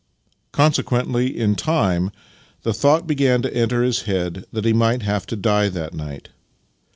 Consequently, in time, the thought began to enter his head that he might have to die that night.